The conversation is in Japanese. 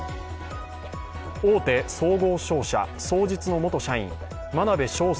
大手総合商社、双日の元社員真鍋昌奨